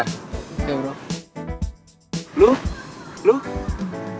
gini valer disini ternyata